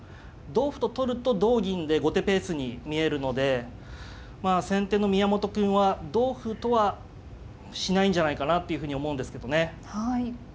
同歩と取ると同銀で後手ペースに見えるのでまあ先手の宮本くんは同歩とはしないんじゃないかなっていうふうに思うんですけどね。